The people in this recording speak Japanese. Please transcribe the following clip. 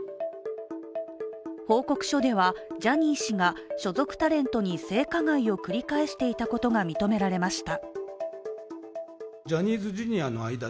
報告書では、ジャニー氏が所属タレントに性加害を繰り返していたことが認められました。